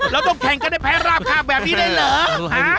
แล้วต้องแข็งกันในแพ้ราบข้าบแบบนี้ได้เหรอ